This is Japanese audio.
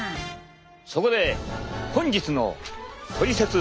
そこで本日のトリセツ